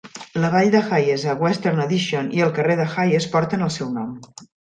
La vall de Hayes a Western Addition i el carrer de Hayes porten el seu nom.